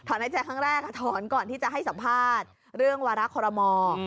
ถอนหายใจครั้งแรกถอนก่อนที่จะให้สัมภาษณ์เรื่องวารักษ์คอลโลมอล์